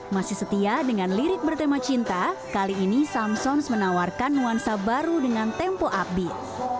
masih setia dengan lirik bertema cinta kali ini samsons menawarkan nuansa baru dengan tempo upin